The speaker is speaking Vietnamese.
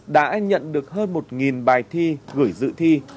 đã nhận được hơn một bài thi gửi dự thi